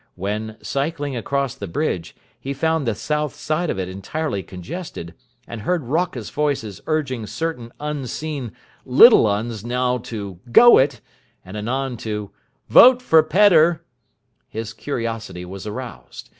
When, cycling across the bridge, he found the south side of it entirely congested, and heard raucous voices urging certain unseen "little 'uns" now to "go it" and anon to "vote for Pedder", his curiosity was aroused.